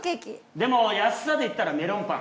でも安さでいったらメロンパン。